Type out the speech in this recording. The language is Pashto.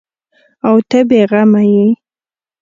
او ته بې غمه یې ؟